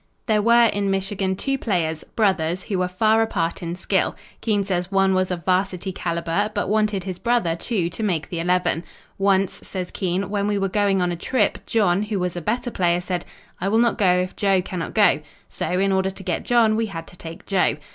There were in Michigan two players, brothers, who were far apart in skill. Keene says one was of varsity calibre, but wanted his brother, too, to make the Eleven. "Once," says Keene, "when we were going on a trip, John, who was a better player, said, 'I will not go if Joe cannot go,' so in order to get John, we had to take Joe."